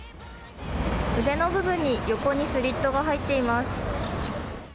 腕の部分に、横にスリットが入っています。